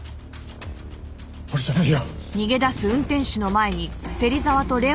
俺じゃないよ。